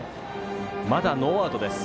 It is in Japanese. まだノーアウトです。